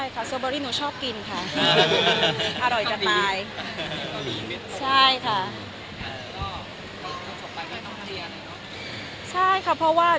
ไม่เป็นไรสเซอร์เบอรี่หนูชอบกินค่ะอร่อยจังไป